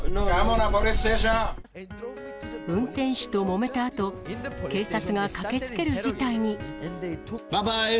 運転手ともめたあと、警察が駆けつける事態に。